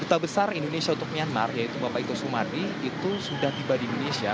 duta besar indonesia untuk myanmar yaitu bapak ito sumadi itu sudah tiba di indonesia